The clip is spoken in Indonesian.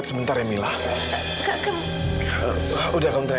sebenarnya kak fadil kenapa